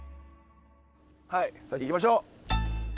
はい行きましょう。